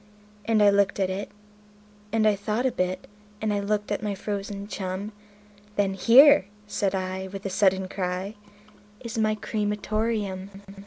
And I looked at it, and I thought a bit, and I looked at my frozen chum; Then "Here", said I, with a sudden cry, "is my cre ma tor eum."